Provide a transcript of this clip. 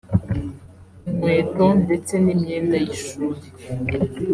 inkweto ndetse n’imyenda y’ishuri